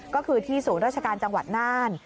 ก็คือที่ศูนย์ราชการจังหวัดน่าน